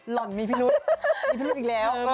หล่อนมีพี่รุ๊ดมีพี่รุ๊ดอีกแล้ว